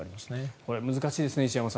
これも難しいですね